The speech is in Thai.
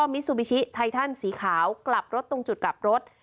มิซูบิชิไททันสีขาวกลับรถตรงจุดกลับรถ